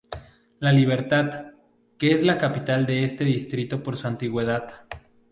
La Libertad, que es la capital de este distrito por su antigüedad.